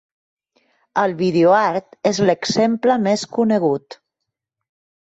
El videoart és l'exemple més conegut.